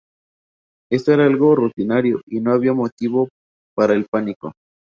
Esto era algo rutinario y no había motivo para el pánico.